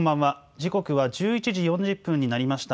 時刻は１１時４０分になりました。